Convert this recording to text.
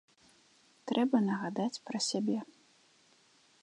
Трэба нагадаць пра сябе.